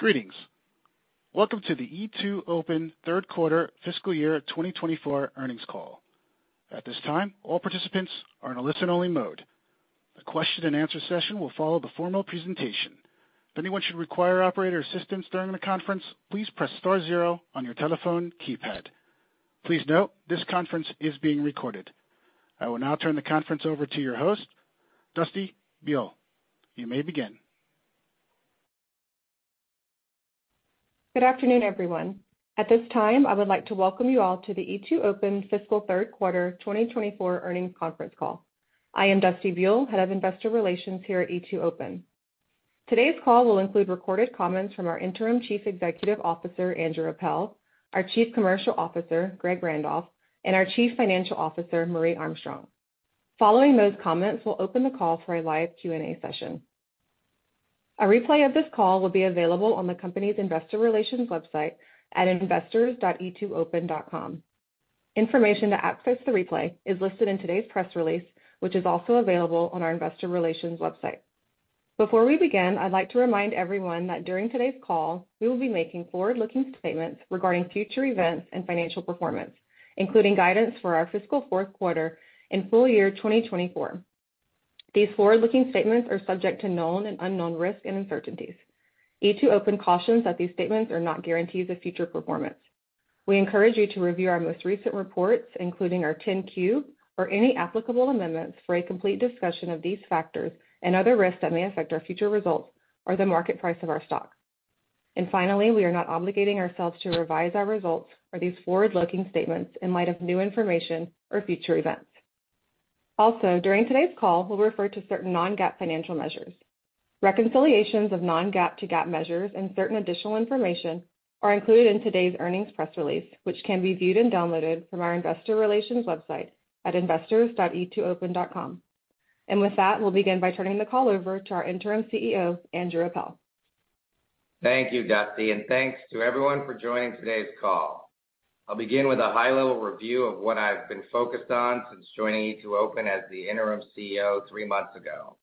Greetings! Welcome to the E2openQ3 fiscal year 2024 earnings call. At this time, all participants are in a listen-only mode. A question and answer session will follow the formal presentation. If anyone should require operator assistance during the conference, please press star zero on your telephone keypad. Please note, this conference is being recorded. I will now turn the conference over to your host, Dusty Buell. You may begin. Good afternoon, everyone. At this time, I would like to welcome you all to the E2openfiscal Q3 2024 earnings conference call. I am Dusty Buell, Head of Investor Relations here at E2open. Today's call will include recorded comments from our Interim Chief Executive Officer, Andrew Appel, our Chief Commercial Officer, Greg Randolph, and our Chief Financial Officer, Marje Armstrong. Following those comments, we'll open the call for a live Q&A session. A replay of this call will be available on the company's investor relations website at investors.E2open.com. Information to access the replay is listed in today's press release, which is also available on our investor relations website. Before we begin, I'd like to remind everyone that during today's call, we will be making forward-looking statements regarding future events and financial performance, including guidance for our fiscal Q4 in full year 2024. These forward-looking statements are subject to known and unknown risks and uncertainties. E2opencautions that these statements are not guarantees of future performance. We encourage you to review our most recent reports, including our 10-Q, or any applicable amendments, for a complete discussion of these factors and other risks that may affect our future results or the market price of our stock. Finally, we are not obligating ourselves to revise our results or these forward-looking statements in light of new information or future events. Also, during today's call, we'll refer to certain non-GAAP financial measures. Reconciliations of non-GAAP to GAAP measures and certain additional information are included in today's earnings press release, which can be viewed and downloaded from our investor relations website at investors.E2open.com. With that, we'll begin by turning the call over to our Interim CEO, Andrew Appel. Thank you, Dusty, and thanks to everyone for joining today's call. I'll begin with a high-level review of what I've been focused on since joining E2openas Interim CEO three months ago.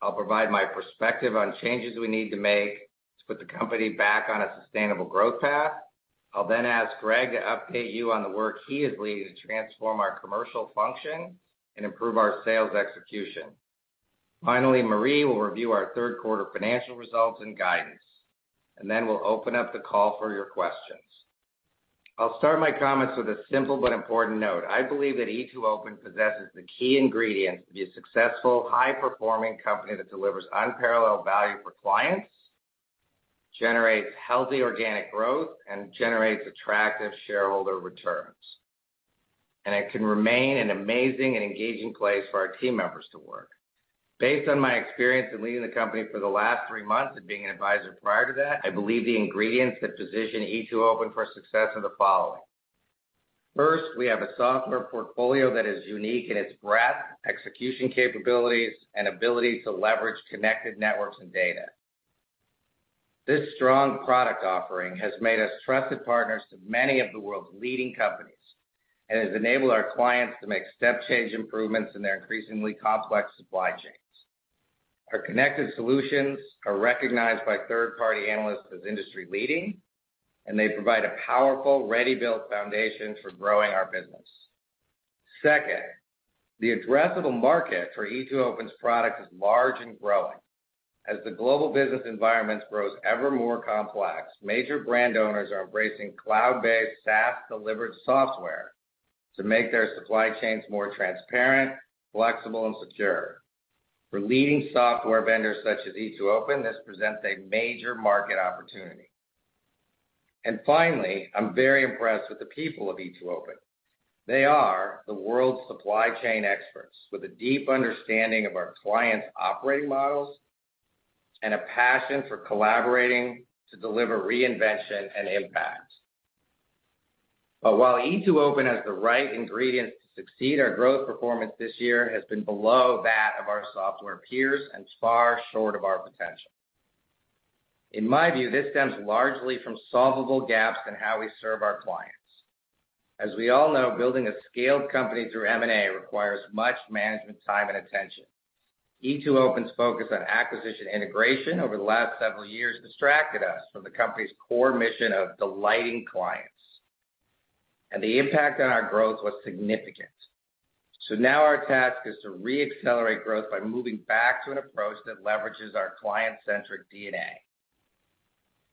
I'll provide my perspective on changes we need to make to put the company back on a sustainable growth path. I'll then ask Greg to update you on the work he is leading to transform our commercial function and improve our sales execution. Finally, Marje will review our Q3 financial results and guidance, and then we'll open up the call for your questions. I'll start my comments with a simple but important note. I believe that E2openpossesses the key ingredients to be a successful, high-performing company that delivers unparalleled value for clients, generates healthy organic growth, and generates attractive shareholder returns, and it can remain an amazing and engaging place for our team members to work. Based on my experience in leading the company for the last three months and being an advisor prior to that, I believe the ingredients that position E2openfor success are the following: First, we have a software portfolio that is unique in its breadth, execution capabilities, and ability to leverage connected networks and data. This strong product offering has made us trusted partners to many of the world's leading companies and has enabled our clients to make step-change improvements in their increasingly complex supply chains. Our connected solutions are recognized by third-party analysts as industry-leading, and they provide a powerful, ready-built foundation for growing our business. Second, the addressable market for E2open's product is large and growing. As the global business environment grows ever more complex, major brand owners are embracing cloud-based, SaaS-delivered software to make their supply chains more transparent, flexible, and secure. For leading software vendors, such as E2open, this presents a major market opportunity. And finally, I'm very impressed with the people of E2open. They are the world's supply chain experts, with a deep understanding of our clients' operating models and a passion for collaborating to deliver reinvention and impact. But while E2openhas the right ingredients to succeed, our growth performance this year has been below that of our software peers and far short of our potential. In my view, this stems largely from solvable gaps in how we serve our clients. As we all know, building a scaled company through M&A requires much management, time, and attention. E2open's focus on acquisition integration over the last several years distracted us from the company's core mission of delighting clients, and the impact on our growth was significant. So now our task is to re-accelerate growth by moving back to an approach that leverages our client-centric DNA.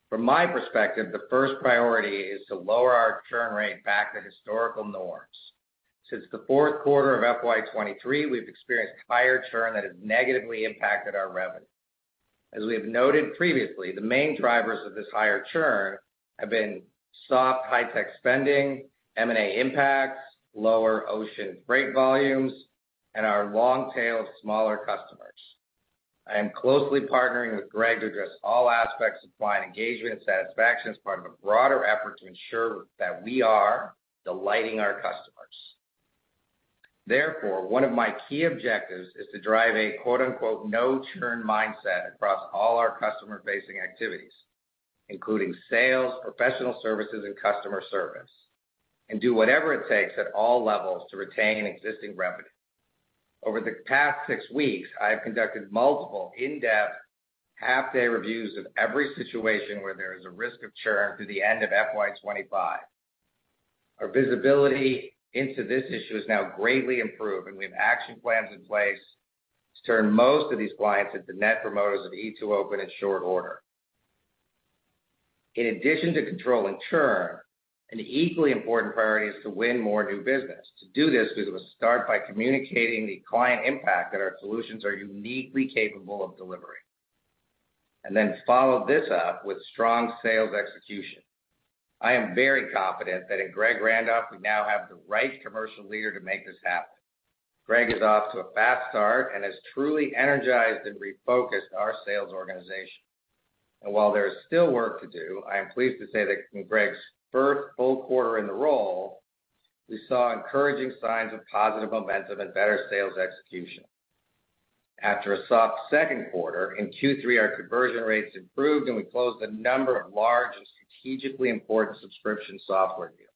From my perspective, the first priority is to lower our churn rate back to historical norms. Since the Q4 of FY 2023, we've experienced higher churn that has negatively impacted our revenue. As we have noted previously, the main drivers of this higher churn have been soft high-tech spending, M&A impacts, lower ocean freight volumes, and our long tail of smaller customers. I am closely partnering with Greg to address all aspects of client engagement and satisfaction as part of a broader effort to ensure that we are delighting our customers. Therefore, one of my key objectives is to drive a, quote, unquote, "no churn mindset" across all our customer-facing activities, including sales, professional services, and customer service, and do whatever it takes at all levels to retain existing revenue. Over the past six weeks, I have conducted multiple in-depth half-day reviews of every situation where there is a risk of churn through the end of FY 2025. Our visibility into this issue is now greatly improved, and we have action plans in place to turn most of these clients into net promoters of E2open in short order. In addition to controlling churn, an equally important priority is to win more new business. To do this, we will start by communicating the client impact that our solutions are uniquely capable of delivering, and then follow this up with strong sales execution. I am very confident that in Greg Randolph, we now have the right commercial leader to make this happen. Greg is off to a fast start and has truly energized and refocused our sales organization. While there is still work to do, I am pleased to say that in Greg's first full quarter in the role, we saw encouraging signs of positive momentum and better sales execution. After a soft Q2, in Q3, our conversion rates improved, and we closed a number of large and strategically important subscription software deals.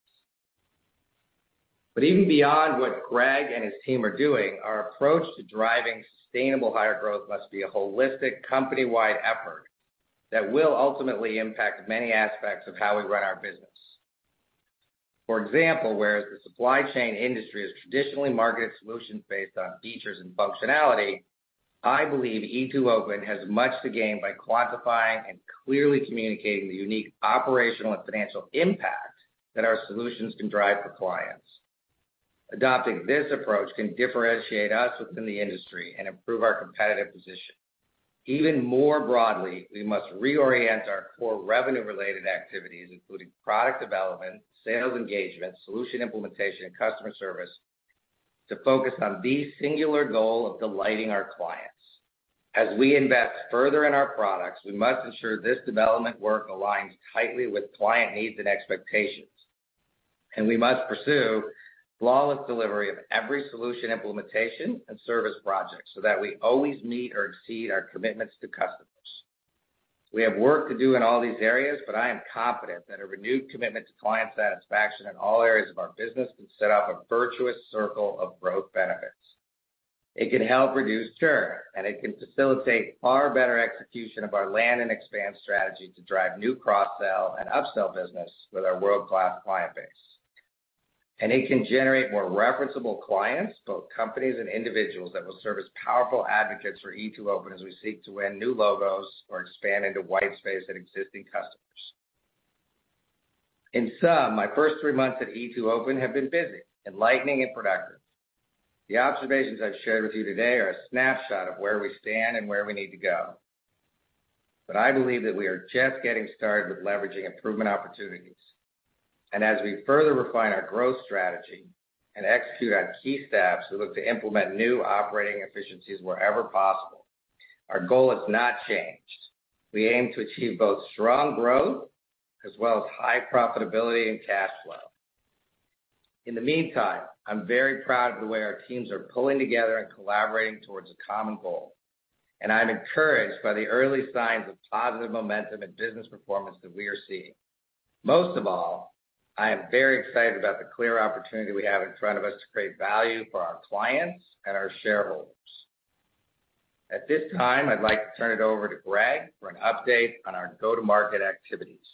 Even beyond what Greg and his team are doing, our approach to driving sustainable higher growth must be a holistic, company-wide effort that will ultimately impact many aspects of how we run our business. For example, whereas the supply chain industry has traditionally marketed solutions based on features and functionality, I believe E2open has much to gain by quantifying and clearly communicating the unique operational and financial impact that our solutions can drive for clients. Adopting this approach can differentiate us within the industry and improve our competitive position. Even more broadly, we must reorient our core revenue-related activities, including product development, sales engagement, solution implementation, and customer service, to focus on the singular goal of delighting our clients. As we invest further in our products, we must ensure this development work aligns tightly with client needs and expectations, and we must pursue flawless delivery of every solution, implementation, and service project, so that we always meet or exceed our commitments to customers. We have work to do in all these areas, but I am confident that a renewed commitment to client satisfaction in all areas of our business can set off a virtuous circle of growth benefits. It can help reduce churn, and it can facilitate far better execution of our land and expand strategy to drive new cross-sell and upsell business with our world-class client base. It can generate more referenceable clients, both companies and individuals, that will serve as powerful advocates for E2open as we seek to win new logos or expand into white space at existing customers. In sum, my first three months at E2open have been busy, enlightening, and productive. The observations I've shared with you today are a snapshot of where we stand and where we need to go, but I believe that we are just getting started with leveraging improvement opportunities. As we further refine our growth strategy and execute on key steps, we look to implement new operating efficiencies wherever possible. Our goal has not changed. We aim to achieve both strong growth as well as high profitability and cash flow. In the meantime, I'm very proud of the way our teams are pulling together and collaborating towards a common goal, and I'm encouraged by the early signs of positive momentum and business performance that we are seeing. Most of all, I am very excited about the clear opportunity we have in front of us to create value for our clients and our shareholders. At this time, I'd like to turn it over to Greg for an update on our go-to-market activities.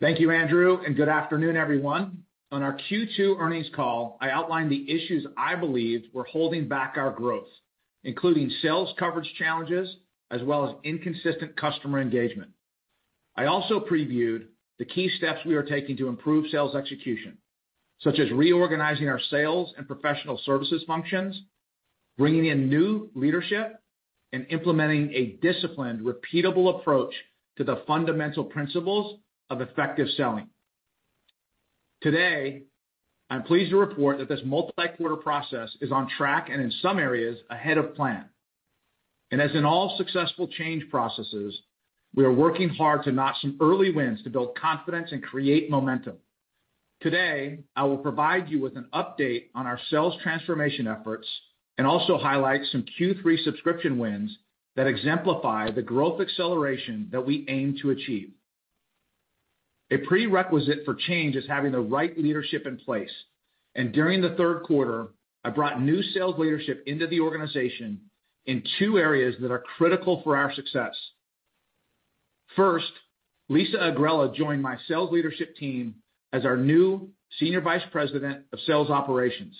Thank you, Andrew, and good afternoon, everyone. On our Q2 earnings call, I outlined the issues I believed were holding back our growth, including sales coverage challenges as well as inconsistent customer engagement. I also previewed the key steps we are taking to improve sales execution, such as reorganizing our sales and Professional Services functions, bringing in new leadership, and implementing a disciplined, repeatable approach to the fundamental principles of effective selling. Today, I'm pleased to report that this multi-quarter process is on track and in some areas, ahead of plan. And as in all successful change processes, we are working hard to notch some early wins to build confidence and create momentum. Today, I will provide you with an update on our sales transformation efforts and also highlight some Q3 subscription wins that exemplify the growth acceleration that we aim to achieve. A prerequisite for change is having the right leadership in place, and during the Q3, I brought new sales leadership into the organization in two areas that are critical for our success. First, Lisa Agrella joined my sales leadership team as our new Senior Vice President of Sales Operations.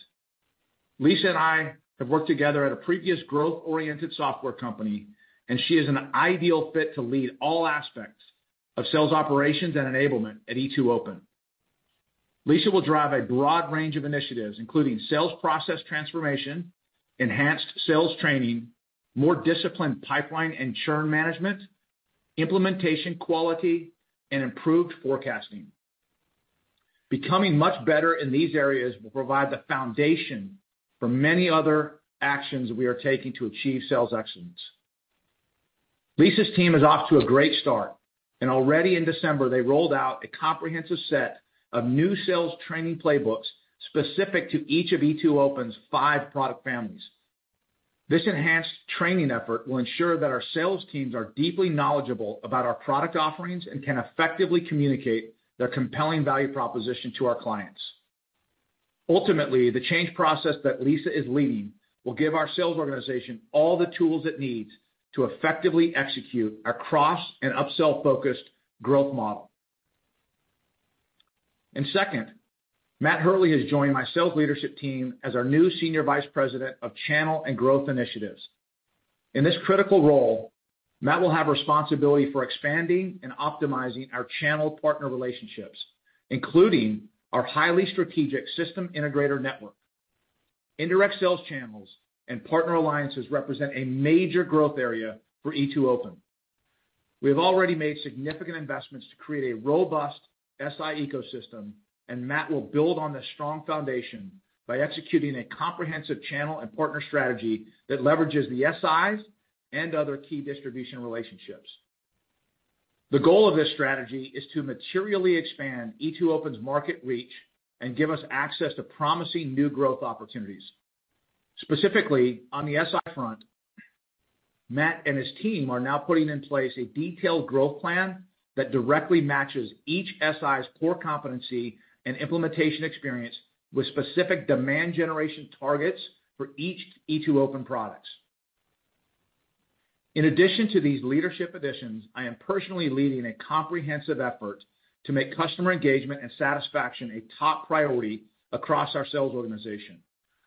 Lisa and I have worked together at a previous growth-oriented software company, and she is an ideal fit to lead all aspects of sales operations and enablement at e2open. Lisa will drive a broad range of initiatives, including sales process transformation, enhanced sales training, more disciplined pipeline and churn management, implementation quality, and improved forecasting. Becoming much better in these areas will provide the foundation for many other actions we are taking to achieve sales excellence. Lisa's team is off to a great start, and already in December, they rolled out a comprehensive set of new sales training playbooks specific to each of E2open's five product families.... This enhanced training effort will ensure that our sales teams are deeply knowledgeable about our product offerings and can effectively communicate their compelling value proposition to our clients. Ultimately, the change process that Lisa is leading will give our sales organization all the tools it needs to effectively execute our cross and upsell-focused growth model. And second, Matt Hurley has joined my sales leadership team as our new Senior Vice President of Channel and Growth Initiatives. In this critical role, Matt will have responsibility for expanding and optimizing our channel partner relationships, including our highly strategic system integrator network. Indirect sales channels and partner alliances represent a major growth area for E2open. We have already made significant investments to create a robust SI ecosystem, and Matt will build on this strong foundation by executing a comprehensive channel and partner strategy that leverages the SIs and other key distribution relationships. The goal of this strategy is to materially expand E2open's market reach and give us access to promising new growth opportunities. Specifically, on the SI front, Matt and his team are now putting in place a detailed growth plan that directly matches each SI's core competency and implementation experience with specific demand generation targets for each E2open products. In addition to these leadership additions, I am personally leading a comprehensive effort to make customer engagement and satisfaction a top priority across our sales organization.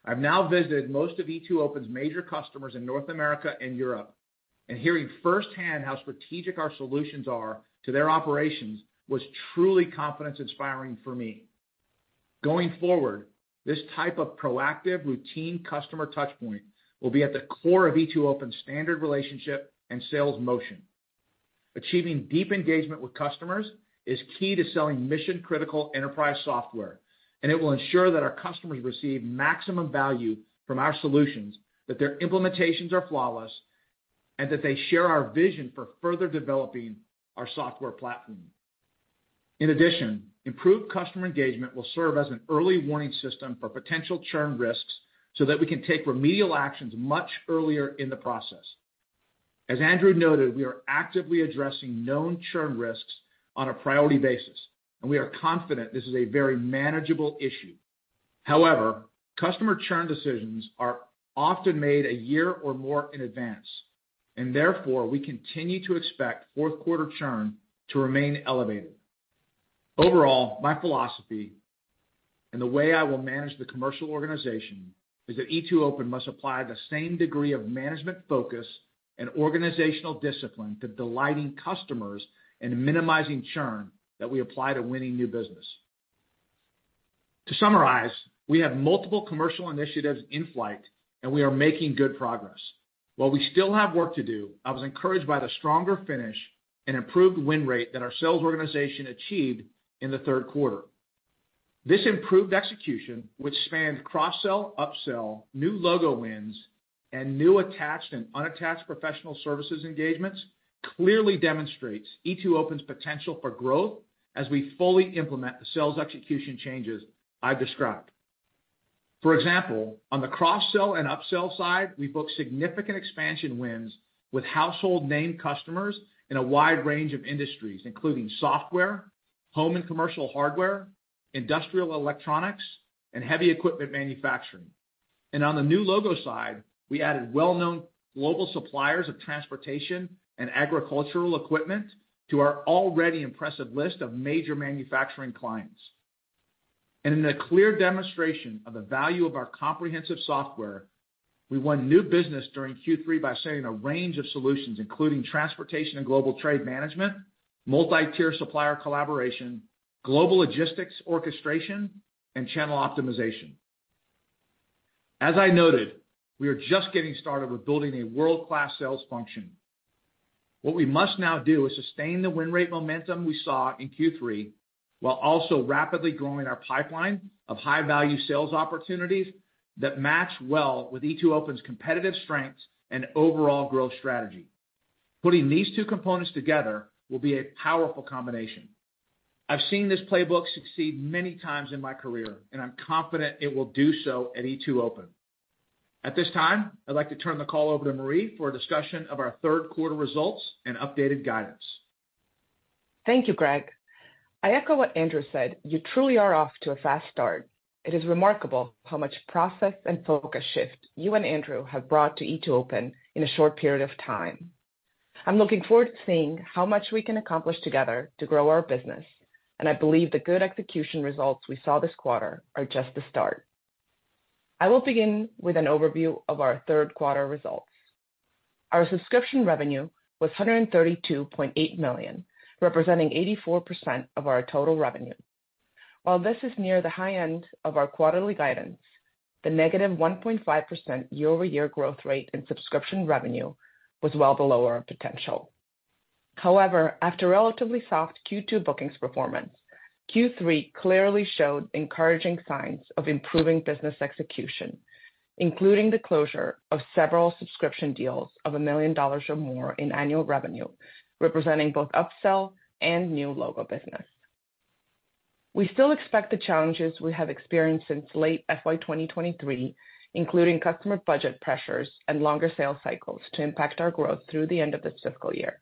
I've now visited most of E2open's major customers in North America and Europe, and hearing firsthand how strategic our solutions are to their operations was truly confidence-inspiring for me. Going forward, this type of proactive, routine customer touchpoint will be at the core of E2open's standard relationship and sales motion. Achieving deep engagement with customers is key to selling mission-critical enterprise software, and it will ensure that our customers receive maximum value from our solutions, that their implementations are flawless, and that they share our vision for further developing our software platform. In addition, improved customer engagement will serve as an early warning system for potential churn risks so that we can take remedial actions much earlier in the process. As Andrew noted, we are actively addressing known churn risks on a priority basis, and we are confident this is a very manageable issue. However, customer churn decisions are often made a year or more in advance, and therefore, we continue to expect Q4 churn to remain elevated. Overall, my philosophy and the way I will manage the commercial organization is that E2openmust apply the same degree of management focus and organizational discipline to delighting customers and minimizing churn that we apply to winning new business. To summarize, we have multiple commercial initiatives in flight, and we are making good progress. While we still have work to do, I was encouraged by the stronger finish and improved win rate that our sales organization achieved in the Q3. This improved execution, which spanned cross-sell, upsell, new logo wins, and new attached and unattached professional services engagements, clearly demonstrates E2open's potential for growth as we fully implement the sales execution changes I've described. For example, on the cross-sell and upsell side, we booked significant expansion wins with household name customers in a wide range of industries, including software, home and commercial hardware, industrial electronics, and heavy equipment manufacturing. On the new logo side, we added well-known global suppliers of transportation and agricultural equipment to our already impressive list of major manufacturing clients. In a clear demonstration of the value of our comprehensive software, we won new business during Q3 by selling a range of solutions, including Transportation and Global Trade Management, multi-tier supplier collaboration, global logistics orchestration, and channel optimization. As I noted, we are just getting started with building a world-class sales function. What we must now do is sustain the win rate momentum we saw in Q3, while also rapidly growing our pipeline of high-value sales opportunities that match well with E2open's competitive strengths and overall growth strategy. Putting these two components together will be a powerful combination. I've seen this playbook succeed many times in my career, and I'm confident it will do so at E2open. At this time, I'd like to turn the call over to Marje for a discussion of our Q3 results and updated guidance. Thank you, Greg. I echo what Andrew said, you truly are off to a fast start. It is remarkable how much process and focus shift you and Andrew have brought to E2open in a short period of time. I'm looking forward to seeing how much we can accomplish together to grow our business, and I believe the good execution results we saw this quarter are just the start. I will begin with an overview of our Q3 results. Our subscription revenue was $132.8 million, representing 84% of our total revenue. While this is near the high end of our quarterly guidance, the negative 1.5% year-over-year growth rate in subscription revenue was well below our potential. However, after a relatively soft Q2 bookings performance, Q3 clearly showed encouraging signs of improving business execution, including the closure of several subscription deals of $1 million or more in annual revenue, representing both upsell and new logo business. We still expect the challenges we have experienced since late FY 2023, including customer budget pressures and longer sales cycles, to impact our growth through the end of this fiscal year.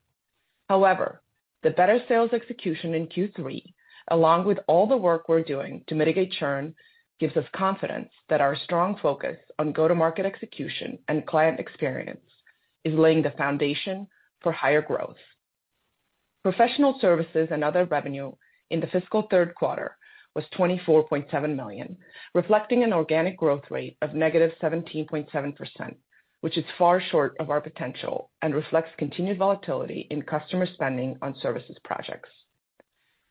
However, the better sales execution in Q3, along with all the work we're doing to mitigate churn, gives us confidence that our strong focus on go-to-market execution and client experience is laying the foundation for higher growth. Professional Services and Other Revenue in the fiscal Q3 was $24.7 million, reflecting an organic growth rate of -17.7%, which is far short of our potential and reflects continued volatility in customer spending on services projects.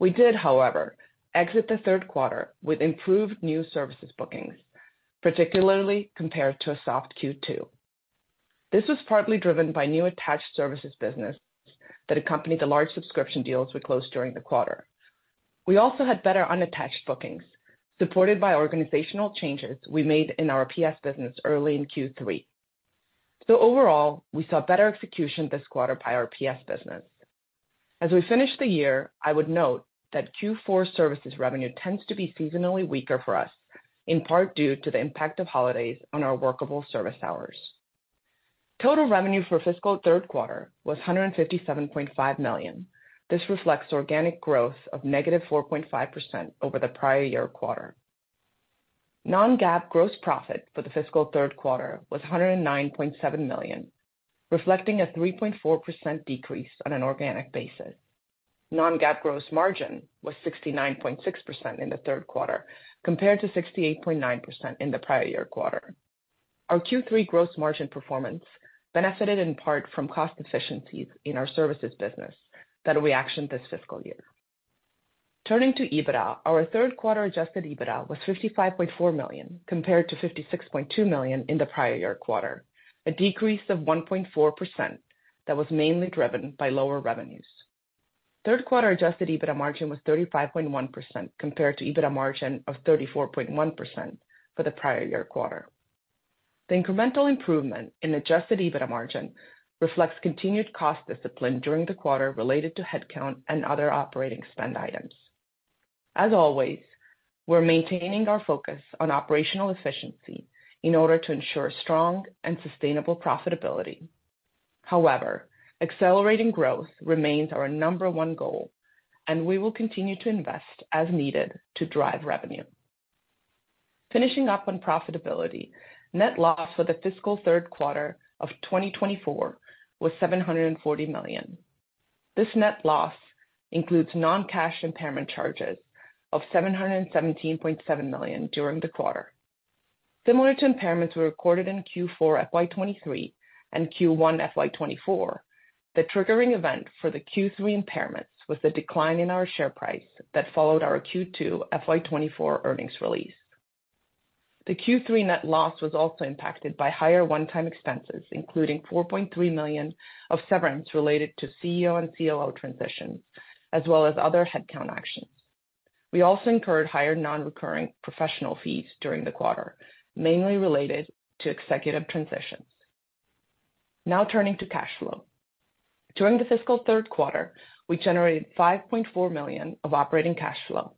We did, however, exit the Q3 with improved new services bookings, particularly compared to a soft Q2. This was partly driven by new attached services business that accompanied the large subscription deals we closed during the quarter. We also had better unattached bookings, supported by organizational changes we made in our PS business early in Q3. So overall, we saw better execution this quarter by our PS business. As we finish the year, I would note that Q4 services revenue tends to be seasonally weaker for us, in part due to the impact of holidays on our workable service hours. Total revenue for fiscal Q3 was $157.5 million. This reflects organic growth of -4.5% over the prior year quarter. Non-GAAP gross profit for the fiscal Q3 was $109.7 million, reflecting a 3.4% decrease on an organic basis. Non-GAAP gross margin was 69.6% in the Q3, compared to 68.9% in the prior year quarter. Our Q3 gross margin performance benefited in part from cost efficiencies in our services business that we actioned this fiscal year. Turning to EBITDA, our Q3 adjusted EBITDA was $55.4 million, compared to $56.2 million in the prior year quarter, a decrease of 1.4% that was mainly driven by lower revenues. Q3 Adjusted EBITDA margin was 35.1%, compared to EBITDA margin of 34.1% for the prior year quarter. The incremental improvement in Adjusted EBITDA margin reflects continued cost discipline during the quarter related to headcount and other operating spend items. As always, we're maintaining our focus on operational efficiency in order to ensure strong and sustainable profitability. However, accelerating growth remains our number one goal, and we will continue to invest as needed to drive revenue. Finishing up on profitability, net loss for the fiscal Q3 of 2024 was $740 million. This net loss includes non-cash impairment charges of $717.7 million during the quarter. Similar to impairments we recorded in Q4 FY 2023 and Q1 FY 2024, the triggering event for the Q3 impairments was the decline in our share price that followed our Q2 FY 2024 earnings release. The Q3 net loss was also impacted by higher one-time expenses, including $4.3 million of severance related to CEO and CLO transitions, as well as other headcount actions. We also incurred higher non-recurring professional fees during the quarter, mainly related to executive transitions. Now turning to cash flow. During the fiscal Q3, we generated $5.4 million of operating cash flow.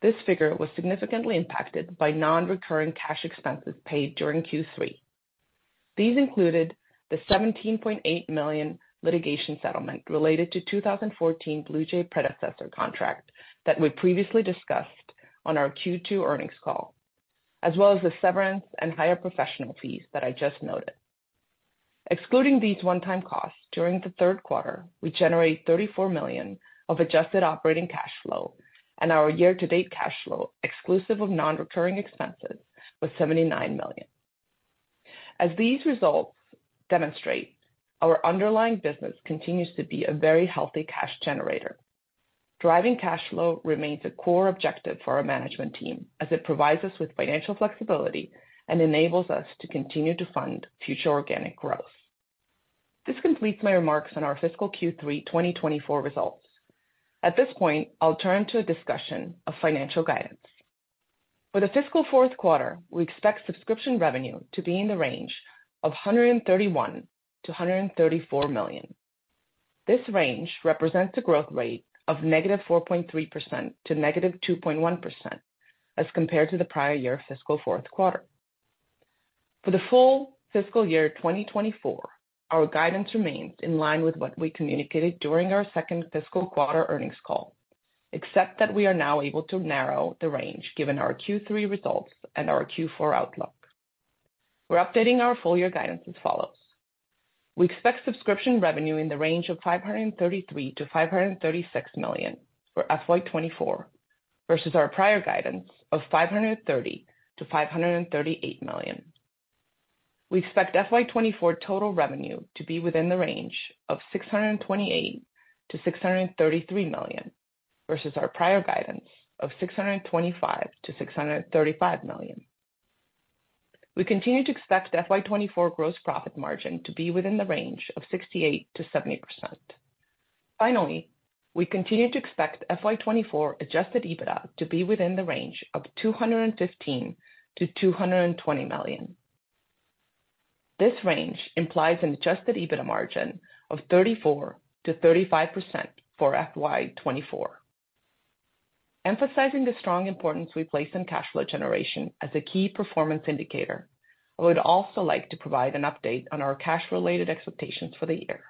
This figure was significantly impacted by non-recurring cash expenses paid during Q3. These included the $17.8 million litigation settlement related to 2014 BluJay predecessor contract that we previously discussed on our Q2 earnings call, as well as the severance and higher professional fees that I just noted. Excluding these one-time costs, during the Q3, we generated $34 million of Adjusted Operating Cash Flow, and our year-to-date cash flow, exclusive of non-recurring expenses, was $79 million. As these results demonstrate, our underlying business continues to be a very healthy cash generator. Driving cash flow remains a core objective for our management team, as it provides us with financial flexibility and enables us to continue to fund future organic growth. This completes my remarks on our fiscal Q3 2024 results. At this point, I'll turn to a discussion of financial guidance. For the fiscal Q4, we expect subscription revenue to be in the range of $131 million-$134 million. This range represents a growth rate of -4.3% to -2.1% as compared to the prior year fiscal Q4. For the full fiscal year 2024, our guidance remains in line with what we communicated during our second fiscal quarter earnings call, except that we are now able to narrow the range, given our Q3 results and our Q4 outlook. We're updating our full year guidance as follows: We expect subscription revenue in the range of $533 million-$536 million for FY 2024, versus our prior guidance of $530 million-$538 million. We expect FY 2024 total revenue to be within the range of $628 million-$633 million versus our prior guidance of $625 million-$635 million. We continue to expect FY 2024 gross profit margin to be within the range of 68%-70%. Finally, we continue to expect FY 2024 Adjusted EBITDA to be within the range of $215 million-$220 million. This range implies an Adjusted EBITDA margin of 34%-35% for FY 2024. Emphasizing the strong importance we place in cash flow generation as a key performance indicator, I would also like to provide an update on our cash-related expectations for the year.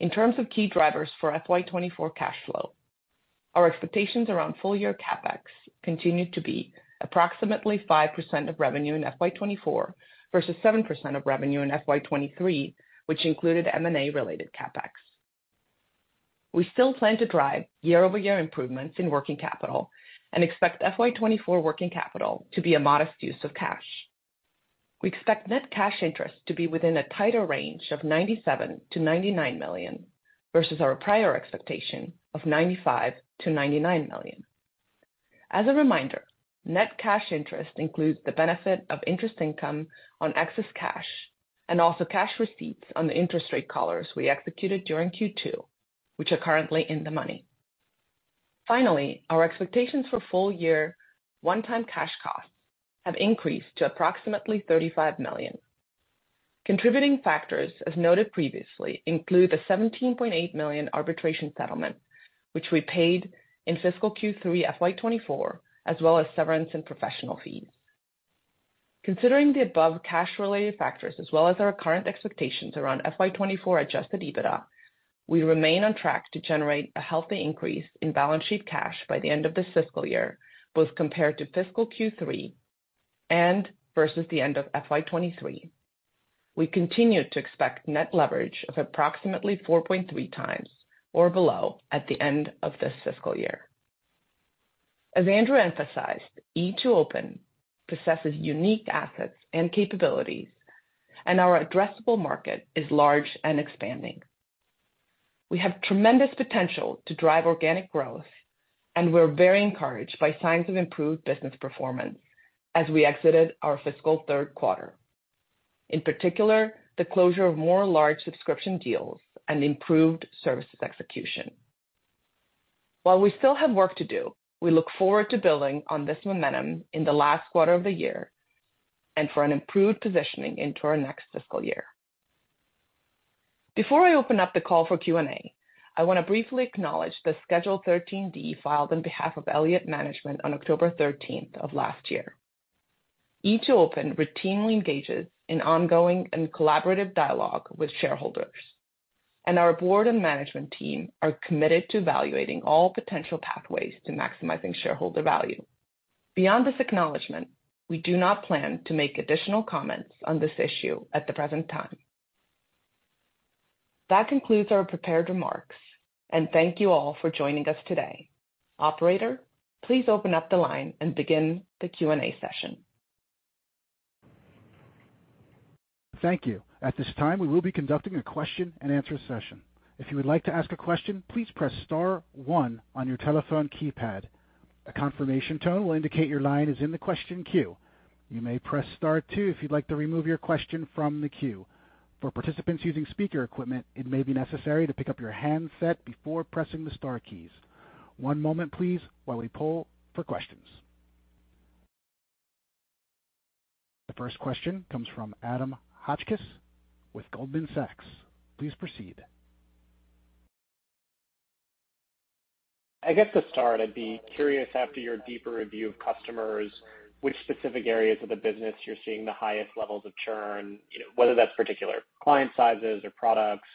In terms of key drivers for FY 2024 cash flow, our expectations around full-year CapEx continue to be approximately 5% of revenue in FY 2024 versus 7% of revenue in FY 2023, which included M&A-related CapEx. We still plan to drive year-over-year improvements in working capital and expect FY 2024 working capital to be a modest use of cash. We expect net cash interest to be within a tighter range of $97 million-$99 million, versus our prior expectation of $95 million-$99 million. As a reminder, net cash interest includes the benefit of interest income on excess cash and also cash receipts on the interest rate collars we executed during Q2, which are currently in the money. Finally, our expectations for full-year one-time cash costs have increased to approximately $35 million. Contributing factors, as noted previously, include the $17.8 million arbitration settlement, which we paid in fiscal Q3 FY 2024, as well as severance and professional fees. Considering the above cash-related factors, as well as our current expectations around FY 2024 Adjusted EBITDA, we remain on track to generate a healthy increase in balance sheet cash by the end of this fiscal year, both compared to fiscal Q3 and versus the end of FY 2023. We continue to expect net leverage of approximately 4.3 times or below at the end of this fiscal year. As Andrew emphasized, E2open possesses unique assets and capabilities, and our addressable market is large and expanding. We have tremendous potential to drive organic growth, and we're very encouraged by signs of improved business performance as we exited our fiscal Q3. In particular, the closure of more large subscription deals and improved services execution. While we still have work to do, we look forward to building on this momentum in the last quarter of the year and for an improved positioning into our next fiscal year. Before I open up the call for Q&A, I want to briefly acknowledge the Schedule 13D filed on behalf of Elliott Management on October thirteenth of last year. E2open routinely engages in ongoing and collaborative dialogue with shareholders, and our board and management team are committed to evaluating all potential pathways to maximizing shareholder value. Beyond this acknowledgment, we do not plan to make additional comments on this issue at the present time. That concludes our prepared remarks, and thank you all for joining us today. Operator, please open up the line and begin the Q&A session. Thank you. At this time, we will be conducting a question-and-answer session. If you would like to ask a question, please press star one on your telephone keypad. A confirmation tone will indicate your line is in the question queue. You may press star two if you'd like to remove your question from the queue. For participants using speaker equipment, it may be necessary to pick up your handset before pressing the star keys. One moment, please, while we poll for questions. The first question comes from Adam Hotchkiss with Goldman Sachs. Please proceed. I guess to start, I'd be curious, after your deeper review of customers, which specific areas of the business you're seeing the highest levels of churn, you know, whether that's particular client sizes or products,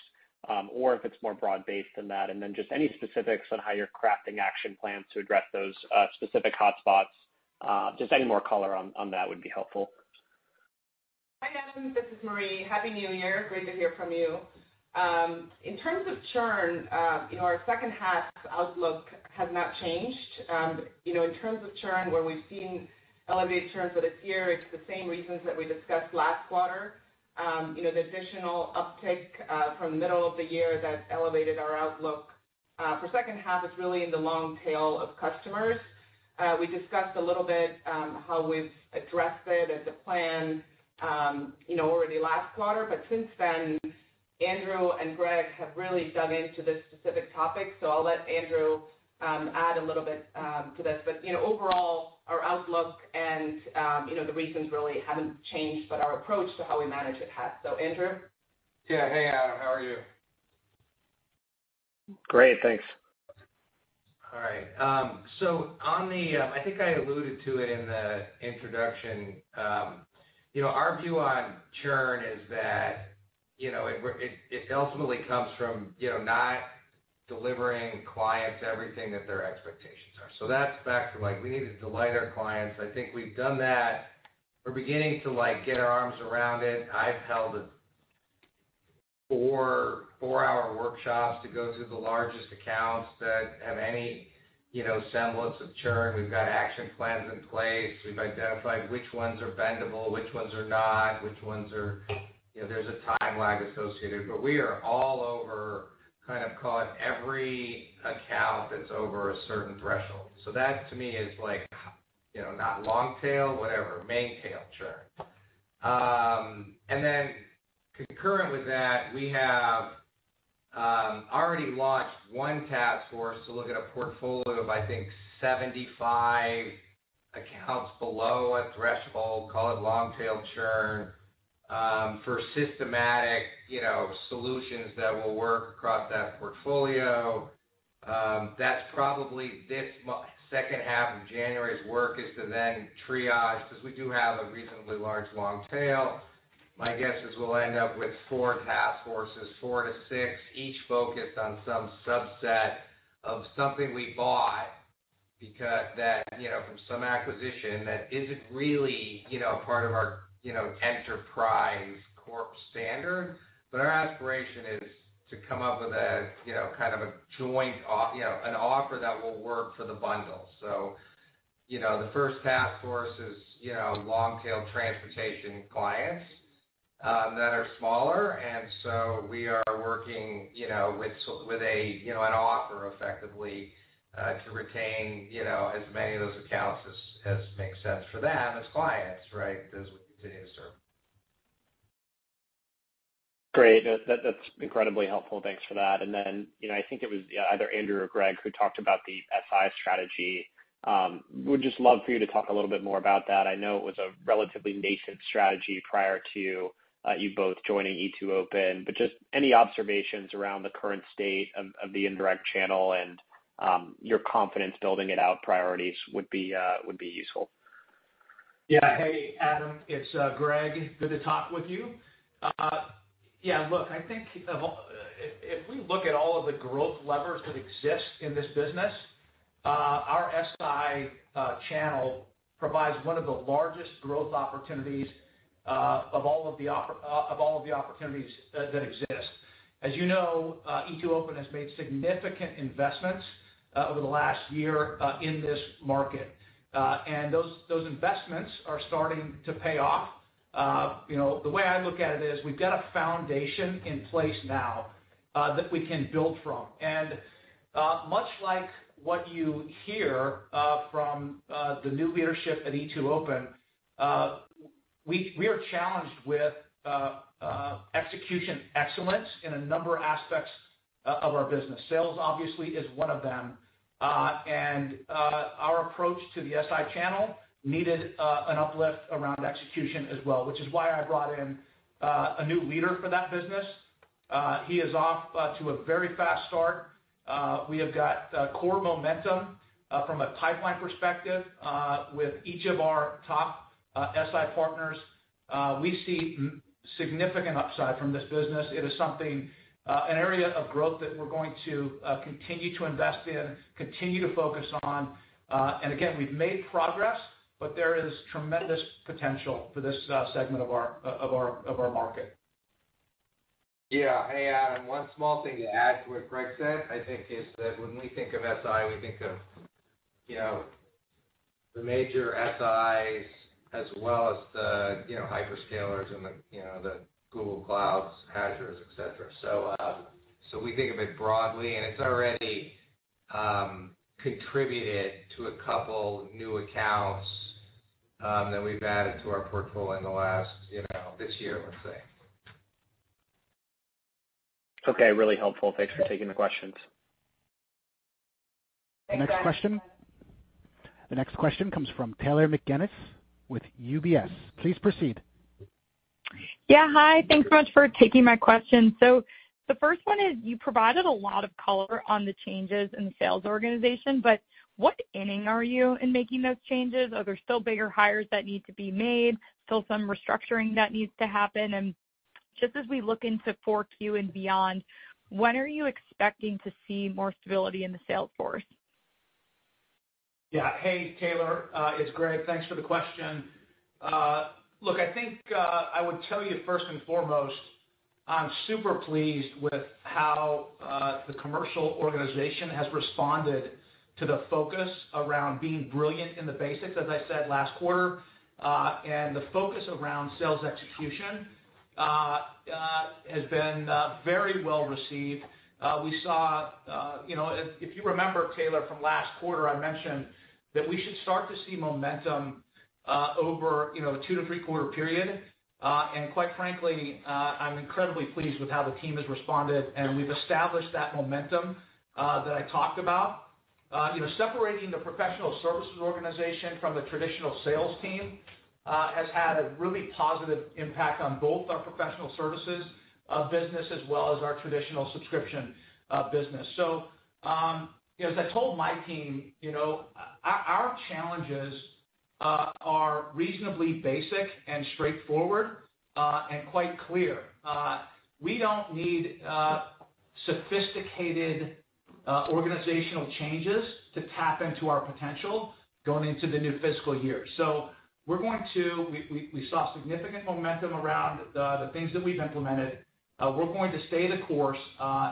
or if it's more broad-based than that. And then just any specifics on how you're crafting action plans to address those, specific hotspots. Just any more color on, on that would be helpful. Hi, Adam, this is Marje. Happy New Year. Great to hear from you. In terms of churn, you know, our second half outlook has not changed. You know, in terms of churn, where we've seen elevated churn for this year, it's the same reasons that we discussed last quarter. You know, the additional uptick from the middle of the year that elevated our outlook for second half is really in the long tail of customers. We discussed a little bit how we've addressed it and the plan, you know, over the last quarter. But since then, Andrew and Greg have really dug into this specific topic, so I'll let Andrew add a little bit to this. But, you know, overall, our outlook and, you know, the reasons really haven't changed, but our approach to how we manage it has. So, Andrew? Yeah. Hey, Adam, how are you? Great, thanks. All right, so on the... I think I alluded to it in the introduction, you know, our view on churn is that, you know, it ultimately comes from, you know, not delivering clients everything that their expectations are. So that's back to, like, we need to delight our clients. I think we've done that. We're beginning to, like, get our arms around it. I've held four-hour workshops to go through the largest accounts that have any, you know, semblance of churn. We've got action plans in place. We've identified which ones are bendable, which ones are not, which ones are, you know, there's a timeline associated. But we are all over, kind of, calling every account that's over a certain threshold. So that, to me, is like, you know, not long tail, whatever, main tail churn. And then concurrent with that, we have-... Already launched one task force to look at a portfolio of, I think, 75 accounts below a threshold, call it long tail churn, for systematic, you know, solutions that will work across that portfolio. That's probably this second half of January's work is to then triage, 'cause we do have a reasonably large long tail. My guess is we'll end up with 4 task forces, 4-6, each focused on some subset of something we bought, because that, you know, from some acquisition that isn't really, you know, part of our, you know, enterprise corp standard. But our aspiration is to come up with a, you know, kind of a joint you know, an offer that will work for the bundle. So, you know, the first task force is, you know, long-tail transportation clients, that are smaller. And so we are working, you know, with a, you know, an offer effectively to retain, you know, as many of those accounts as makes sense for them as clients, right? Those we continue to serve. Great. That, that's incredibly helpful. Thanks for that. And then, you know, I think it was either Andrew or Greg who talked about the SI strategy. Would just love for you to talk a little bit more about that. I know it was a relatively nascent strategy prior to you both joining E2open, but just any observations around the current state of the indirect channel and your confidence building it out priorities would be useful. Yeah. Hey, Adam, it's Greg. Good to talk with you. Yeah, look, I think if we look at all of the growth levers that exist in this business, our SI channel provides one of the largest growth opportunities of all of the opportunities that exist. As you know, E2open has made significant investments over the last year in this market. And those investments are starting to pay off. You know, the way I look at it is we've got a foundation in place now that we can build from. And much like what you hear from the new leadership at E2open, we are challenged with execution excellence in a number of aspects of our business. Sales, obviously, is one of them. Our approach to the SI channel needed an uplift around execution as well, which is why I brought in a new leader for that business. He is off to a very fast start. We have got core momentum from a pipeline perspective with each of our top SI partners. We see significant upside from this business. It is something, an area of growth that we're going to continue to invest in, continue to focus on. Again, we've made progress, but there is tremendous potential for this segment of our market. Yeah. Hey, Adam, one small thing to add to what Greg said, I think, is that when we think of SI, we think of, you know, the major SIs as well as the, you know, hyperscalers and the, you know, the Google Clouds, Azures, et cetera. So, so we think of it broadly, and it's already, contributed to a couple new accounts, that we've added to our portfolio in the last, you know, this year, let's say. Okay. Really helpful. Thanks for taking the questions. Thanks, Adam. The next question comes from Taylor McGinnis with UBS. Please proceed. Yeah, hi. Thanks so much for taking my question. So the first one is, you provided a lot of color on the changes in the sales organization, but what inning are you in making those changes? Are there still bigger hires that need to be made, still some restructuring that need to be happen? And just as we look into Q4 and beyond, when are you expecting to see more stability in the sales force? Yeah. Hey, Taylor, it's Greg. Thanks for the question. Look, I think I would tell you first and foremost, I'm super pleased with how the commercial organization has responded to the focus around being brilliant in the basics, as I said last quarter. The focus around sales execution has been very well received. We saw... You know, if you remember, Taylor, from last quarter, I mentioned that we should start to see momentum over, you know, two- to three-quarter period. Quite frankly, I'm incredibly pleased with how the team has responded, and we've established that momentum that I talked about. You know, separating the professional services organization from the traditional sales team has had a really positive impact on both our professional services business as well as our traditional subscription business. So, you know, as I told my team, you know, our challenges are reasonably basic and straightforward and quite clear. We don't need sophisticated organizational changes to tap into our potential going into the new fiscal year. So we're going to—we saw significant momentum around the things that we've implemented. We're going to stay the course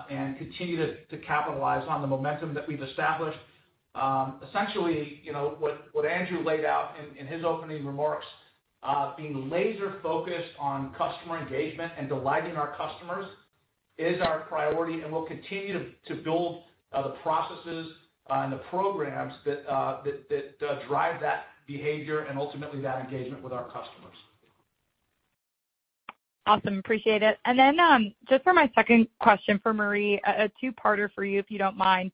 and continue to capitalize on the momentum that we've established. Essentially, you know, what Andrew laid out in his opening remarks, being laser focused on customer engagement and delighting our customers is our priority, and we'll continue to build the processes and the programs that drive that behavior and ultimately that engagement with our customers. ... Awesome, appreciate it. And then, just for my second question for Marje, a two-parter for you, if you don't mind.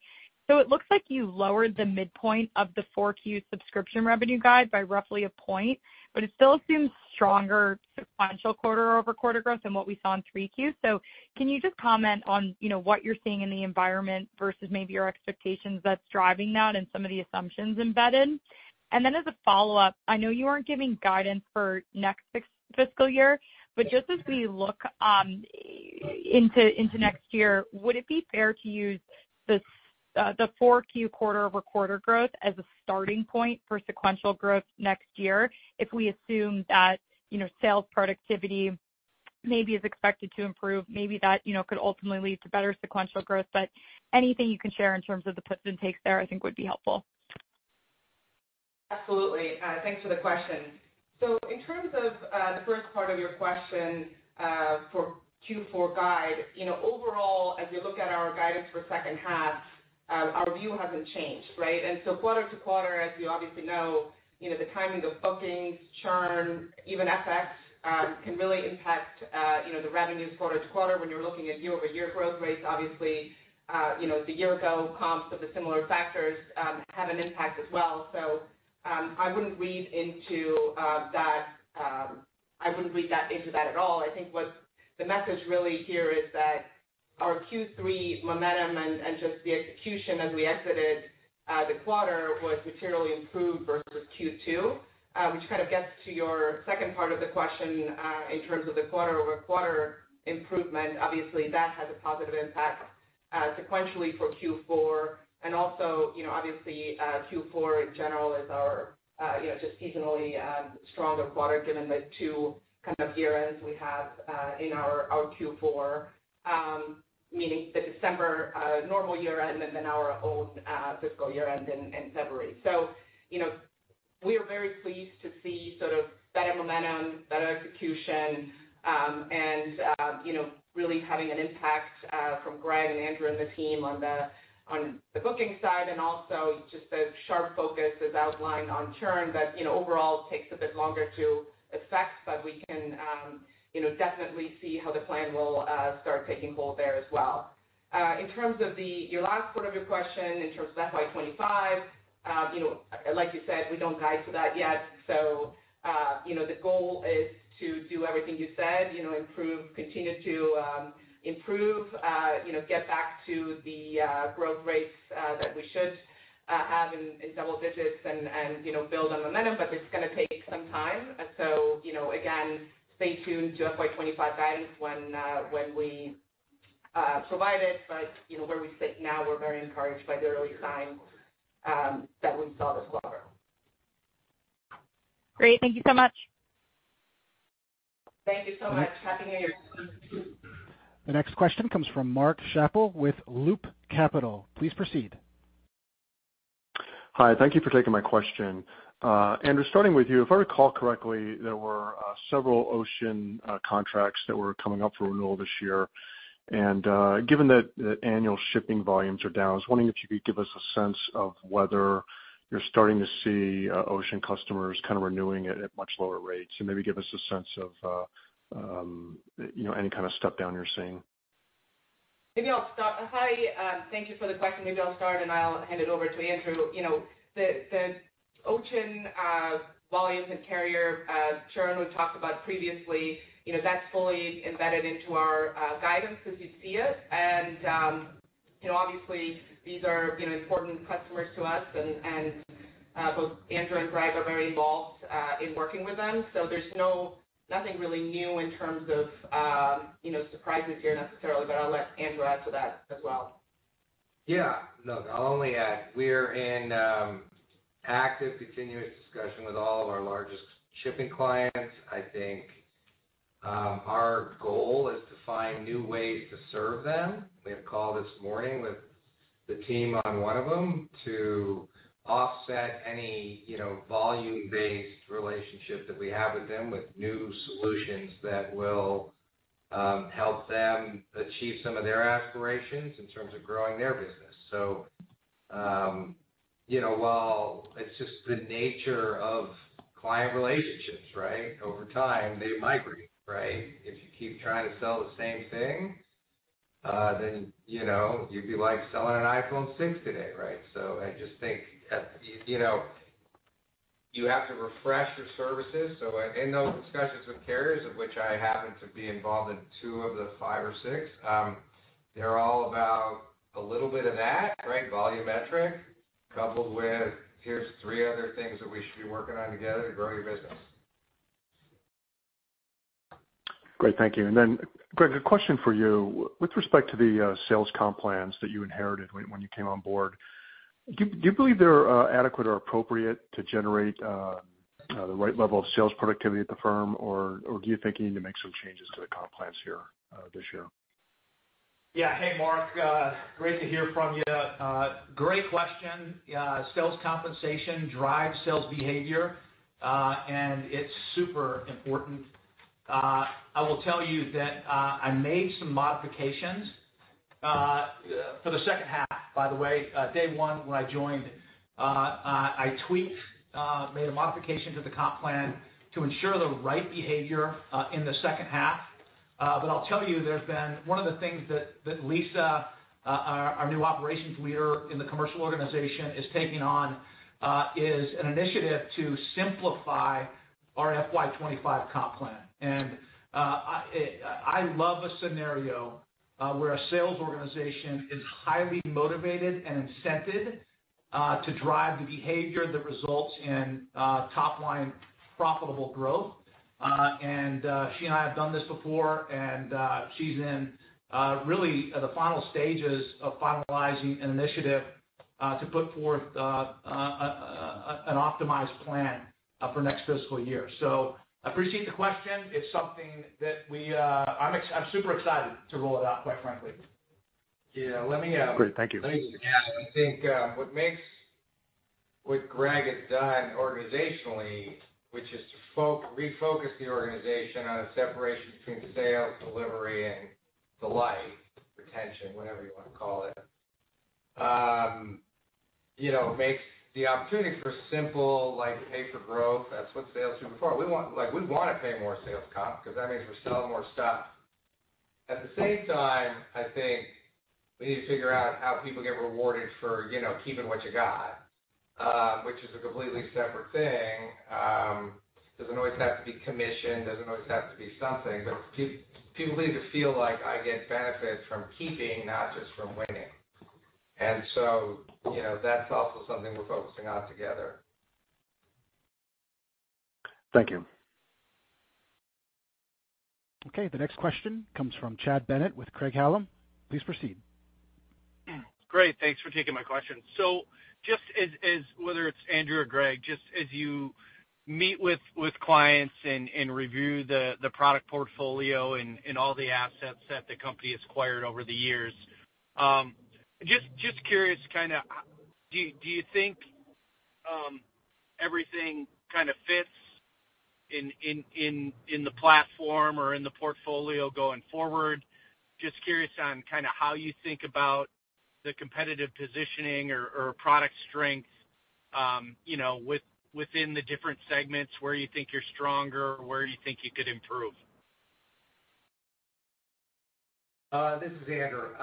So it looks like you lowered the midpoint of the Q4 subscription revenue guide by roughly a point, but it still assumes stronger sequential quarter-over-quarter growth than what we saw in Q3. So can you just comment on, you know, what you're seeing in the environment versus maybe your expectations that's driving that and some of the assumptions embedded? And then as a follow-up, I know you aren't giving guidance for next fiscal year, but just as we look into next year, would it be fair to use the 4Q quarter-over-quarter growth as a starting point for sequential growth next year, if we assume that, you know, sales productivity maybe is expected to improve, maybe that, you know, could ultimately lead to better sequential growth? But anything you can share in terms of the puts and takes there, I think would be helpful. Absolutely. Thanks for the question. So in terms of the first part of your question, for Q4 guide, you know, overall, as we look at our guidance for second half, our view hasn't changed, right? And so quarter to quarter, as you obviously know, you know, the timing of bookings, churn, even FX, can really impact, you know, the revenues quarter to quarter. When you're looking at year-over-year growth rates, obviously, you know, the year ago comps with the similar factors, have an impact as well. So, I wouldn't read into that, I wouldn't read that into that at all. I think what the message really here is that our Q3 momentum and just the execution as we exited the quarter was materially improved versus Q2. Which kind of gets to your second part of the question, in terms of the quarter-over-quarter improvement. Obviously, that has a positive impact, sequentially for Q4. And also, you know, obviously, Q4, in general, is our, you know, just seasonally, stronger quarter, given the two kind of year-ends we have, in our Q4. Meaning the December, normal year-end, and then our own, fiscal year-end in February. So, you know, we are very pleased to see sort of better momentum, better execution, and, you know, really having an impact, from Greg and Andrew and the team on the booking side, and also just the sharp focus as outlined on churn, that, you know, overall takes a bit longer to affect. But we can, you know, definitely see how the plan will start taking hold there as well. In terms of the, your last part of your question, in terms of FY 25, you know, like you said, we don't guide to that yet. So, you know, the goal is to do everything you said, you know, improve, continue to improve, you know, get back to the growth rates that we should have in double digits and, you know, build on momentum, but it's gonna take some time. So, you know, again, stay tuned to FY 25 guidance when we provide it. But, you know, where we sit now, we're very encouraged by the early signs that we saw this quarter. Great. Thank you so much. Thank you so much. Happy New Year. The next question comes from Mark Schappel with Loop Capital. Please proceed. Hi, thank you for taking my question. Andrew, starting with you, if I recall correctly, there were several ocean contracts that were coming up for renewal this year. And given that the annual shipping volumes are down, I was wondering if you could give us a sense of whether you're starting to see ocean customers kind of renewing it at much lower rates, and maybe give us a sense of you know any kind of step down you're seeing. Maybe I'll start. Hi, thank you for the question. Maybe I'll start, and I'll hand it over to Andrew. You know, the ocean volumes and carrier churn we've talked about previously, you know, that's fully embedded into our guidance as you see it. And you know, obviously, these are, you know, important customers to us, and both Andrew and Greg are very involved in working with them. So there's nothing really new in terms of, you know, surprises here necessarily, but I'll let Andrew add to that as well. Yeah. No, I'll only add, we're in active, continuous discussion with all of our largest shipping clients. I think our goal is to find new ways to serve them. We had a call this morning with the team on one of them to offset any, you know, volume-based relationship that we have with them, with new solutions that will help them achieve some of their aspirations in terms of growing their business. So you know, while it's just the nature of client relationships, right? Over time, they migrate, right? If you keep trying to sell the same thing, then you know, you'd be like selling an iPhone 6 today, right? So I just think you know, you have to refresh your services. So in those discussions with carriers, of which I happen to be involved in two of the five or six, they're all about a little bit of that, right? Volumetric, coupled with, "Here's three other things that we should be working on together to grow your business. Great, thank you. And then, Greg, a question for you. With respect to the sales comp plans that you inherited when you came on board, do you believe they're adequate or appropriate to generate the right level of sales productivity at the firm? Or do you think you need to make some changes to the comp plans here this year? Yeah. Hey, Mark, great to hear from you. Great question. Sales compensation drives sales behavior, and it's super important. I will tell you that, for the second half, by the way, day one, when I joined, I tweaked, made a modification to the comp plan to ensure the right behavior, in the second half. But I'll tell you, there's been one of the things that Lisa, our new operations leader in the commercial organization, is taking on, is an initiative to simplify our FY 2025 comp plan. And, I love a scenario, where a sales organization is highly motivated and incented, to drive the behavior that results in, top line profitable growth. And she and I have done this before, and she's in really the final stages of finalizing an initiative to put forth an optimized plan for next fiscal year. So I appreciate the question. It's something that we, I'm super excited to roll it out, quite frankly. Yeah, let me, Great, thank you. Thank you. I think, what makes what Greg has done organizationally, which is to refocus the organization on a separation between sales, delivery, and delight, retention, whatever you want to call it, you know, makes the opportunity for simple, like, pay for growth. That's what sales do before. We want—like, we wanna pay more sales comp, 'cause that means we're selling more stuff. At the same time, I think we need to figure out how people get rewarded for, you know, keeping what you got, which is a completely separate thing. Doesn't always have to be commission, doesn't always have to be something, but people need to feel like I get benefits from keeping, not just from winning. And so, you know, that's also something we're focusing on together. Thank you. Okay, the next question comes from Chad Bennett with Craig-Hallum. Please proceed. Great. Thanks for taking my question. So just as whether it's Andrew or Greg, just as you meet with clients and review the product portfolio and all the assets that the company has acquired over the years, just curious, kinda, do you think everything kinda fits in the platform or in the portfolio going forward? Just curious on kinda how you think about the competitive positioning or product strength, you know, within the different segments, where you think you're stronger, or where do you think you could improve? This is Andrew.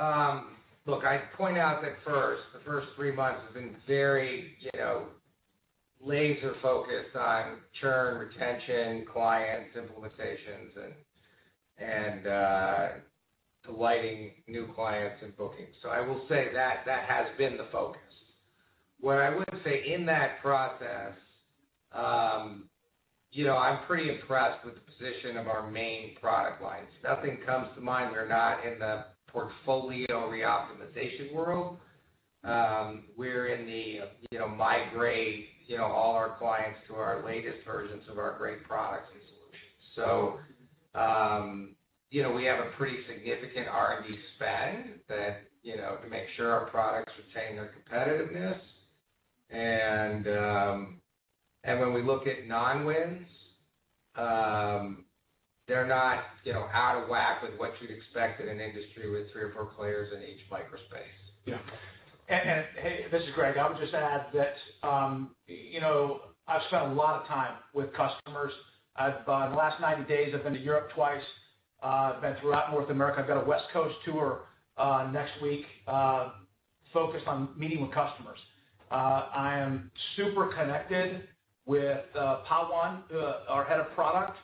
Look, I'd point out that first, the first three months have been very, you know, laser focused on churn, retention, clients, implementations, and delighting new clients and bookings. So I will say that has been the focus. What I would say in that process, you know, I'm pretty impressed with the position of our main product lines. Nothing comes to mind. We're not in the portfolio reoptimization world. We're in the, you know, migrate, you know, all our clients to our latest versions of our great products and solutions. So, you know, we have a pretty significant R&D spend that, you know, to make sure our products retain their competitiveness. When we look at non-wins, they're not, you know, out of whack with what you'd expect in an industry with three or four players in each microspace. Yeah. Hey, this is Greg. I would just add that, you know, I've spent a lot of time with customers. In the last 90 days, I've been to Europe twice. I've been throughout North America. I've got a West Coast tour next week focused on meeting with customers. I am super connected with Pawan, our Head of Product.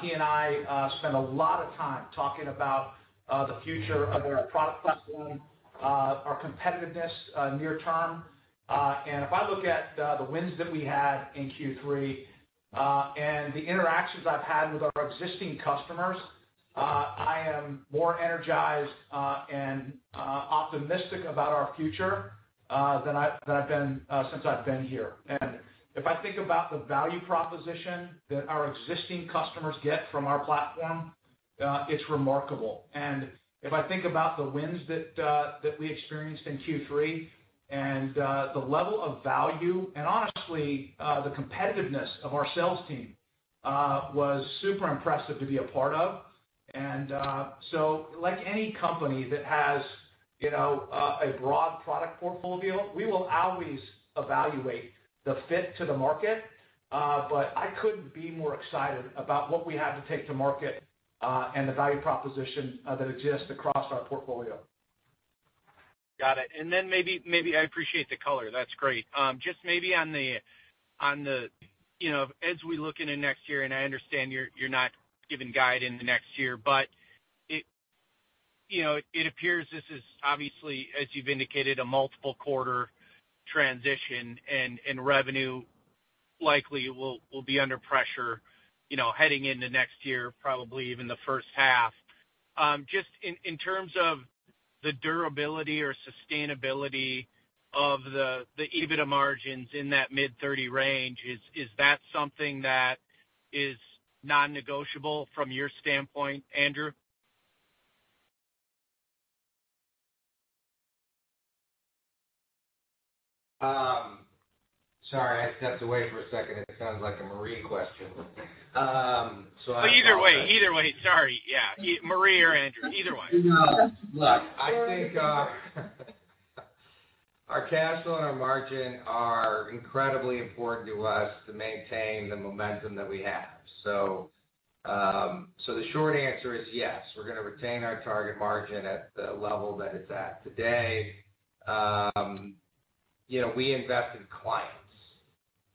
He and I spend a lot of time talking about the future of our product platform, our competitiveness near term. And if I look at the wins that we had in Q3 and the interactions I've had with our existing customers, I am more energized and optimistic about our future than I've been since I've been here. And if I think about the value proposition that our existing customers get from our platform, it's remarkable. And if I think about the wins that we experienced in Q3 and the level of value, and honestly, the competitiveness of our sales team was super impressive to be a part of. And so like any company that has, you know, a broad product portfolio, we will always evaluate the fit to the market. But I couldn't be more excited about what we have to take to market and the value proposition that exists across our portfolio. Got it. And then maybe I appreciate the color. That's great. Just maybe on the, you know, as we look into next year, and I understand you're not giving guide in the next year, but it, you know, it appears this is obviously, as you've indicated, a multiple quarter transition, and revenue likely will be under pressure, you know, heading into next year, probably even the first half. Just in terms of the durability or sustainability of the EBITDA margins in that mid-thirty range, is that something that is non-negotiable from your standpoint, Andrew?... Sorry, I stepped away for a second. It sounds like a Marje question. So- Either way, either way. Sorry. Yeah, Marje or Andrew, either way. Look, I think, our cash flow and our margin are incredibly important to us to maintain the momentum that we have. So, so the short answer is yes, we're gonna retain our target margin at the level that it's at today. You know, we invest in clients,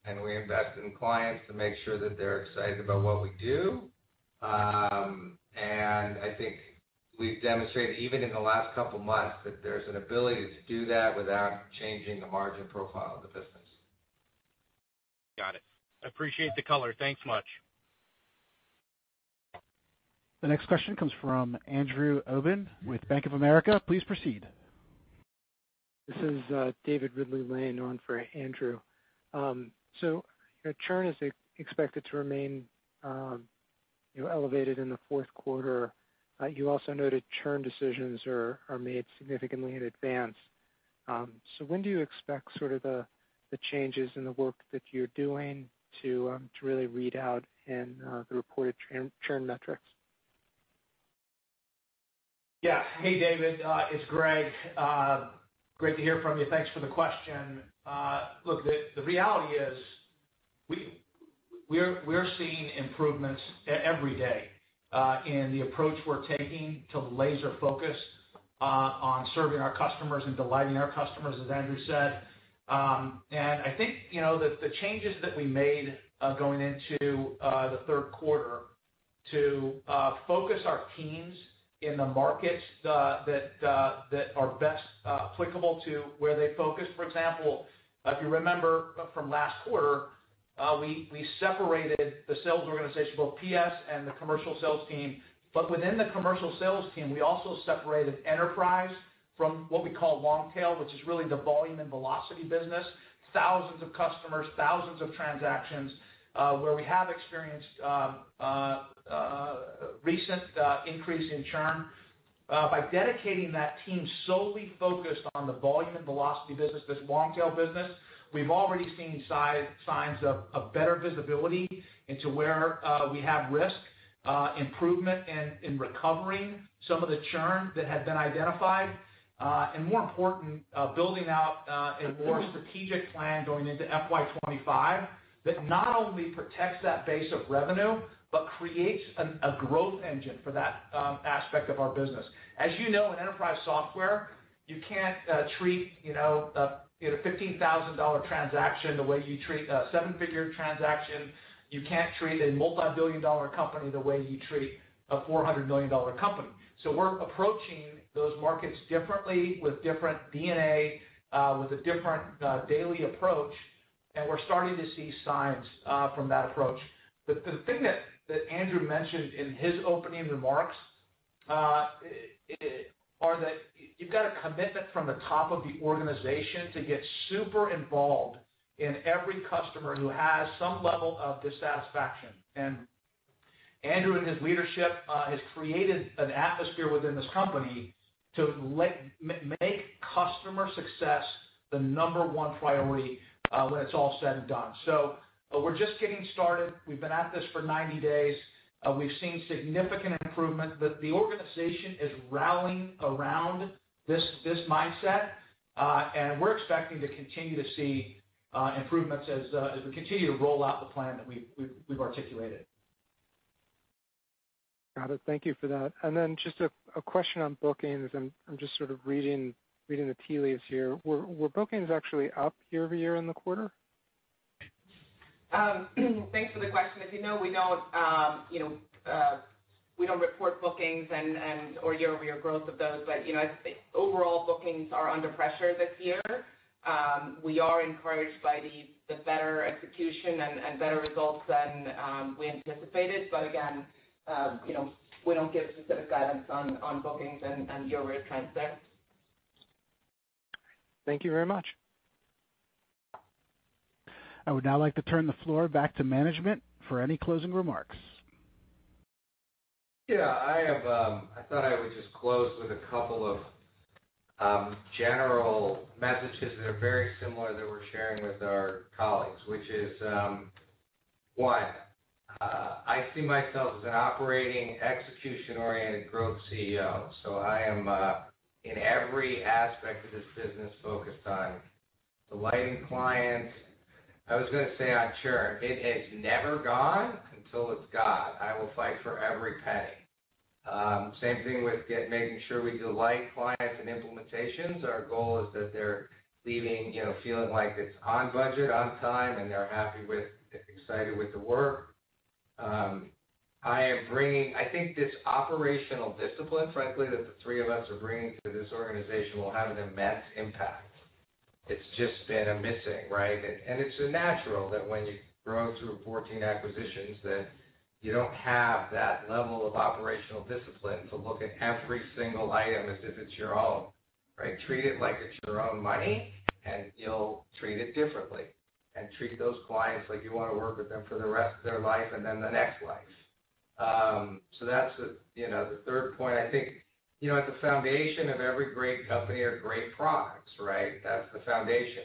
and we invest in clients to make sure that they're excited about what we do. And I think we've demonstrated, even in the last couple of months, that there's an ability to do that without changing the margin profile of the business. Got it. Appreciate the color. Thanks much. The next question comes from Andrew Obin with Bank of America. Please proceed. This is, David Ridley-Lane on for Andrew. So churn is expected to remain, you know, elevated in the Q4. You also noted churn decisions are made significantly in advance. So when do you expect sort of the changes in the work that you're doing to really read out in the reported churn metrics? Yeah. Hey, David, it's Greg. Great to hear from you. Thanks for the question. Look, the reality is, we're seeing improvements every day in the approach we're taking to laser-focus on serving our customers and delighting our customers, as Andrew said. And I think, you know, the changes that we made going into the third quarter to focus our teams in the markets that are best applicable to where they focus. For example, if you remember from last quarter, we separated the sales organization, both PS and the commercial sales team. But within the commercial sales team, we also separated enterprise from what we call long tail, which is really the volume and velocity business. Thousands of customers, thousands of transactions, where we have experienced recent increase in churn. By dedicating that team solely focused on the volume and velocity business, this long tail business, we've already seen signs of better visibility into where we have risk, improvement in recovering some of the churn that had been identified. And more important, building out a more strategic plan going into FY 2025, that not only protects that base of revenue, but creates a growth engine for that aspect of our business. As you know, in enterprise software, you can't treat a $15,000 transaction the way you treat a seven-figure transaction. You can't treat a multibillion-dollar company the way you treat a $400 million company. So we're approaching those markets differently, with different DNA, with a different daily approach, and we're starting to see signs from that approach. The thing that Andrew mentioned in his opening remarks is that you've got a commitment from the top of the organization to get super involved in every customer who has some level of dissatisfaction. And Andrew and his leadership has created an atmosphere within this company to make customer success the number one priority, when it's all said and done. So we're just getting started. We've been at this for 90 days. We've seen significant improvement, that the organization is rallying around this mindset, and we're expecting to continue to see improvements as we continue to roll out the plan that we've articulated. Got it. Thank you for that. And then just a question on bookings, and I'm just sort of reading the tea leaves here. Were bookings actually up year-over-year in the quarter? Thanks for the question. As you know, we don't, you know, we don't report bookings and, and/or year-over-year growth of those. But, you know, I think overall bookings are under pressure this year. We are encouraged by the better execution and better results than we anticipated. But again, you know, we don't give specific guidance on bookings and year-over-year trends there. Thank you very much. I would now like to turn the floor back to management for any closing remarks. Yeah, I have, I thought I would just close with a couple of general messages that are very similar, that we're sharing with our colleagues. Which is, one, I see myself as an operating, execution-oriented growth CEO. So I am, in every aspect of this business, focused on delighting clients. I was gonna say on churn, it is never gone until it's gone. I will fight for every penny. Same thing with making sure we delight clients in implementations. Our goal is that they're leaving, you know, feeling like it's on budget, on time, and they're happy with and excited with the work. I am bringing, I think this operational discipline, frankly, that the three of us are bringing to this organization will have an immense impact. It's just been missing, right? And it's natural that when you grow through 14 acquisitions, that you don't have that level of operational discipline to look at every single item as if it's your own, right? Treat it like it's your own money, and you'll treat it differently. And treat those clients like you want to work with them for the rest of their life and then the next life... So that's the, you know, the third point. I think, you know, at the foundation of every great company are great products, right? That's the foundation.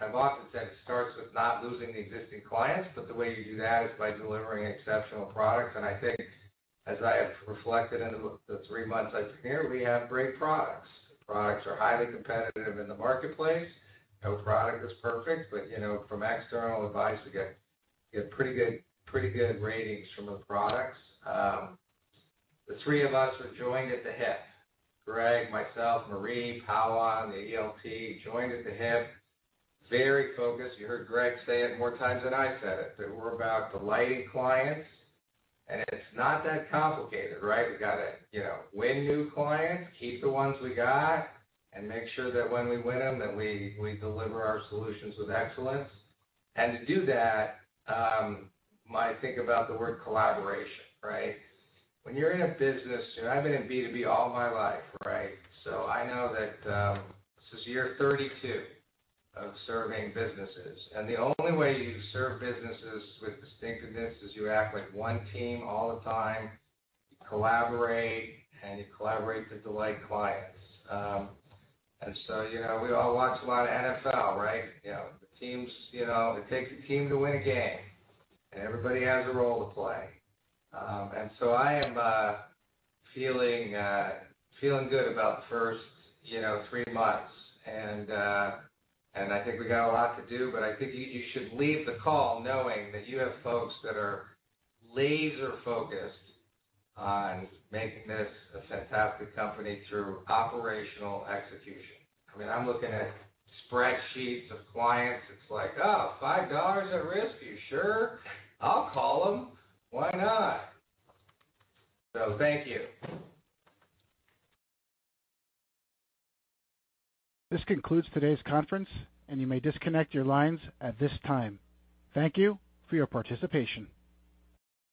I've often said it starts with not losing the existing clients, but the way you do that is by delivering exceptional products. And I think as I have reflected into the three months I've been here, we have great products. The products are highly competitive in the marketplace. No product is perfect, but, you know, from external advice, we get pretty good ratings from the products. The three of us are joined at the hip. Greg, myself, Marje, Paula, and the ELT, joined at the hip, very focused. You heard Greg say it more times than I said it, that we're about delighting clients, and it's not that complicated, right? We've got to, you know, win new clients, keep the ones we got, and make sure that when we win them, that we deliver our solutions with excellence. And to do that, I think about the word collaboration, right? When you're in a business, and I've been in B2B all my life, right? So I know that, this is year 32 of serving businesses, and the only way you serve businesses with distinctiveness is you act like one team all the time. You collaborate, and you collaborate to delight clients. And so, you know, we all watch a lot of NFL, right? You know, the teams, you know, it takes a team to win a game, and everybody has a role to play. And so I am, feeling, feeling good about the first, you know, 3 months. And, and I think we got a lot to do, but I think you, you should leave the call knowing that you have folks that are laser-focused on making this a fantastic company through operational execution. I mean, I'm looking at spreadsheets of clients. It's like, oh, $5 at risk. You sure? I'll call them. Why not? Thank you. This concludes today's conference, and you may disconnect your lines at this time. Thank you for your participation.